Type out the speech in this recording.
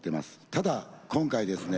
ただ今回ですね